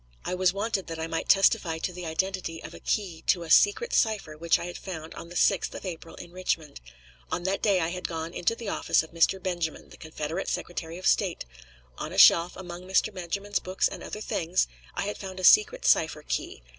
I was wanted that I might testify to the identity of a key to a secret cipher which I had found on the 6th of April in Richmond. On that day I had gone into the office of Mr. Benjamin, the Confederate Secretary of State; on a shelf, among Mr. Benjamin's books and other things, I had found a secret cipher key.